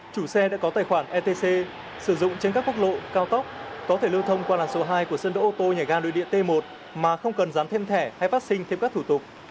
chủ xe đã có tài khoản etc sử dụng trên các quốc lộ cao tốc có thể lưu thông qua làn số hai của sân đỗ ô tô nhà ga nội địa t một mà không cần dán thêm thẻ hay phát sinh thêm các thủ tục